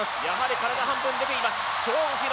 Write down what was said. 体半分出ています。